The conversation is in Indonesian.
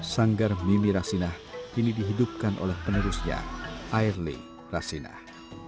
sanggar mimi rasinah ini dihidupkan oleh penerusnya airly rasinah